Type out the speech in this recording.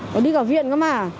có đi cả viện cơ mà